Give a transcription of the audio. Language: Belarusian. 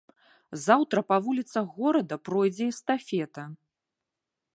Заўтра па вуліцах горада пройдзе эстафета.